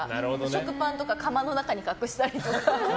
食パンとか釜の中に隠したりとか。